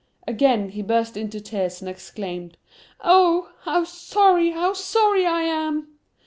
Again[Pg 11] he burst into tears, and exclaimed, "Oh! how sorry, how sorry I am!"